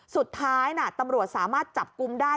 สุดท้ายตำรวจสามารถจับกลุ่มได้